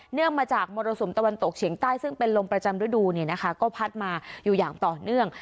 งมาจากมรสุมตะวันตกเฉียงใต้ซึ่งเป็นลมประจำฤดูเนี่ยนะคะก็พัดมาอยู่อย่างต่อเนื่อง